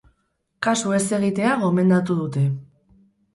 Kasu ez egitea gomendatu dute.